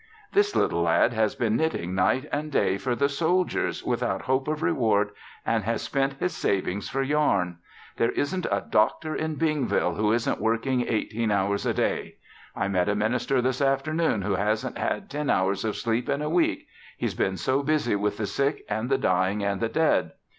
"This little lad has been knitting night and day for the soldiers without hope of reward and has spent his savings for yarn. There isn't a doctor in Bingville who isn't working eighteen hours a day. I met a minister this afternoon who hasn't had ten hours of sleep in a week he's been so busy with the sick, and the dying and the dead.